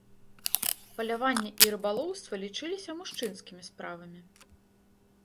Паляванне і рыбалоўства лічыліся мужчынскімі справамі.